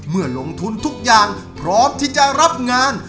เมื่อลงทุนทุกอย่างพร้อมที่จะรับงาน